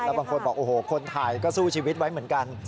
บางคนบอกโอ้โหคนถ่ายก็สู้ชีวิตไว้เหมือนกัน